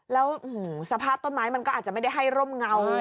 แล้วสภาพต้นไม้มันก็อาจจะไม่ได้ให้ร่มเงา